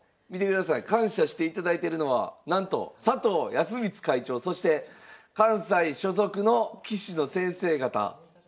見てください感謝していただいてるのはなんと佐藤康光会長そして関西所属の棋士の先生方。